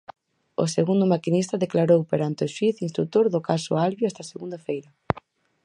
O segundo maquinista declarou perante o xuíz instrutor do caso Alvia esta segunda feira.